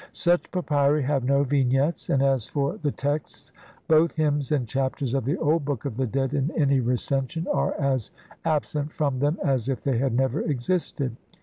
Such papyri have no Vignettes, and as for the texts, both hymns and Chapters of the old Book of the Dead in any Recension are as absent from them as if they had never existed.